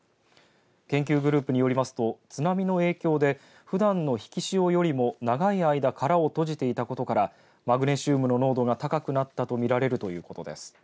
研究グループによりますと津波の影響でふだんの引き潮よりも長い間殻を閉じていたことからマグネシウムの濃度が高くなったとみられるということです。